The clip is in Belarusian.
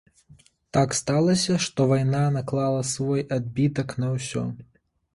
Так сталася, што вайна наклала свой адбітак на ўсё.